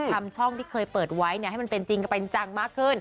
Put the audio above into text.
ทำช่องที่เคยเปิดไว้ให้มันเป็นจริงเป็นจังมากขึ้น